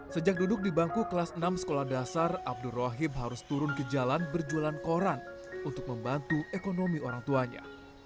sejak duduk di bangku kelas enam sekolah dasar abdur rahim harus turun ke jalan berjualan koran untuk membantu ekonomi orang tuanya